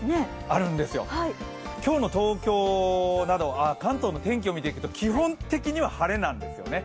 今日の東京など、関東の天気を見ていくと、基本的には晴れなんですね。